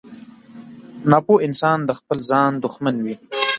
• ناپوه انسان د خپل ځان دښمن وي.